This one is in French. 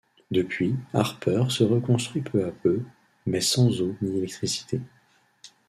Depuis, Harper se reconstruit peu à peu, mais sans eau ni électricité.